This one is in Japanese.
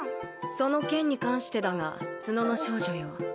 その件に関してだが角の少女よ